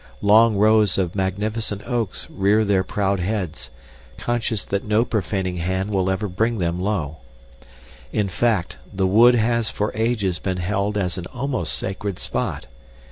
Long rows of magnificent oaks rear their proud heads, conscious that no profaning hand will ever bring them low. In fact, the Wood has for ages been held as an almost sacred spot.